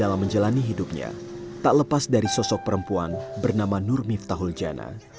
dalam menjalani hidupnya tak lepas dari sosok perempuan bernama nur miftahuljana